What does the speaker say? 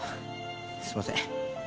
すいません。